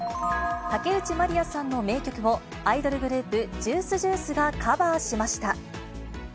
竹内まりやさんの名曲をアイドルグループ、ジュースジュースがカバーしました。